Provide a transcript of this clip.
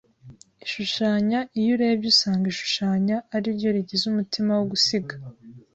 Ishushanya Iyo urebye usanga ishushanya ari ryo rigize umutima wo gusiga